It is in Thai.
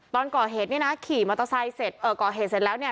ตอนก่อเหตุเนี่ยนะขี่มอเตอร์ไซค์เสร็จเอ่อก่อเหตุเสร็จแล้วเนี่ย